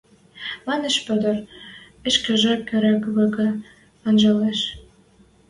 — манеш Петр, ӹшкежӹ кырык вӹкӹ анжалеш.